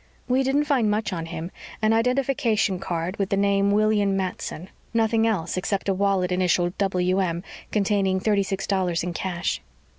"We didn't find much on him. An identification card with the name William Matson. Nothing else except a wallet initialed W. M. containing thirty six dollars in cash."